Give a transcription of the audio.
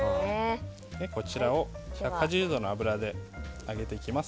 こちらを１８０度の油で揚げていきます。